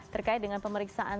terkait dengan pemeriksaan